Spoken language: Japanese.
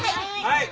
はい。